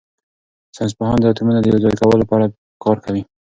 ساینس پوهان د اتومونو د یوځای کولو په اړه کار کوي.